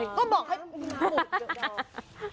ก็บอกให้ปลูก